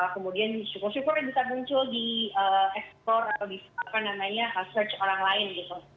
kemudian syukur syukurnya bisa muncul di ekspor atau di apa namanya search orang lain gitu